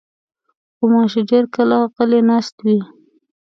غوماشې ډېر کله غلې ناستې وي.